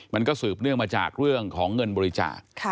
มันก็สืบเนื่องมาจากเรื่องของเงินบริจาค